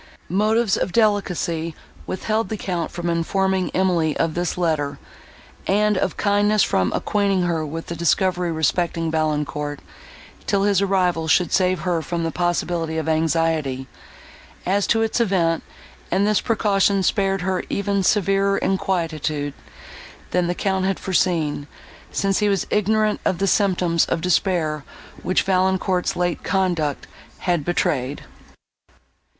Motives of delicacy withheld the Count from informing Emily of this letter, and of kindness from acquainting her with the discovery respecting Valancourt, till his arrival should save her from the possibility of anxiety, as to its event; and this precaution spared her even severer inquietude, than the Count had foreseen, since he was ignorant of the symptoms of despair, which Valancourt's late conduct had betrayed.